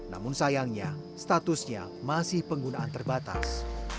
namun sayangnya statusnya masih penggunaan terbatas